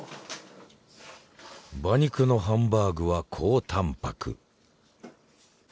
馬肉のハンバーグは高タンパク。